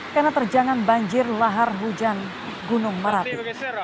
kena terjangan banjir lahar hujan gunung marapi